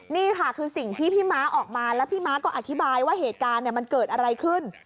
นี่ค่ะคือสิ่งที่พี่ม้าออกมาแล้วพี่ม้าก็อธิบายว่าเหตุการณ์มันเกิดอะไรขึ้น